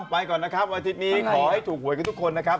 ไปก่อนนะครับวันอาทิตย์นี้ขอให้ถูกหวยกันทุกคนนะครับ